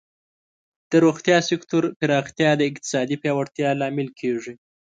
د روغتیا سکتور پراختیا د اقتصادی پیاوړتیا لامل کیږي.